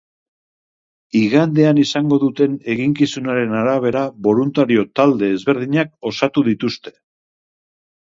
Igandean izango duten eginkizunaren arabera boluntario talde ezberdinak osatu dituzte.